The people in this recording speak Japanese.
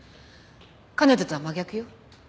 彼女とは真逆よ。